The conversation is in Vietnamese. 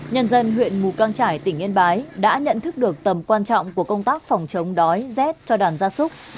nhân dân huyện mù căng trải tỉnh yên bái đã nhận thức được tầm quan trọng của công tác phòng chống đói rét cho đàn gia súc